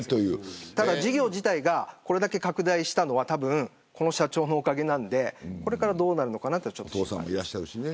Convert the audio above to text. ただ、事業自体がこれだけ拡大したのはたぶん、この社長のおかげなのでこれからどうなるのかなと心配です。